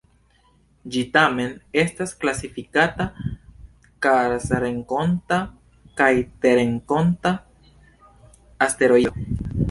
Ĝi tamen estas klasifikata marsrenkonta kaj terrenkonta asteroido.